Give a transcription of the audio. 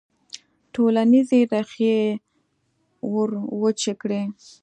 ټولنیزې ریښې وروچې کړي.